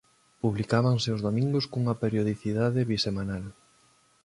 Publicábase os domingos cunha periodicidade bisemanal.